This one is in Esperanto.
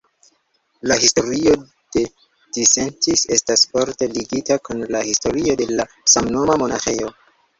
La historio de Disentis estas forte ligita kun la historio de la samnoma monaĥejo.